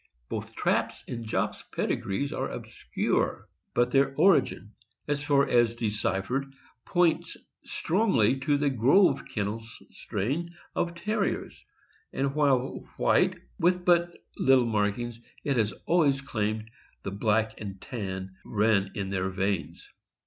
Both Trap's and Jock's pedigrees are obscure, but their origin as far as deciphered points strongly to the Grove Kennels strain of Terriers; and while white, with but little markings, it was always claimed that black and tan blood ran in their veins.